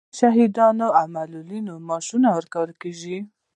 د شهیدانو او معلولینو معاش ورکول کیږي؟